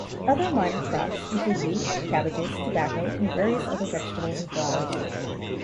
Other minor crops include wheat, cabbages, tobacco, and various other vegetables and flowers.